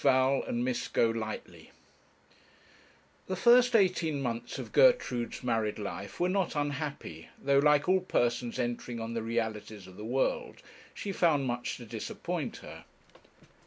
VAL AND MISS GOLIGHTLY The first eighteen months of Gertrude's married life were not unhappy, though, like all persons entering on the realities of the world, she found much to disappoint her.